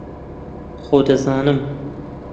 خۆ دەزانم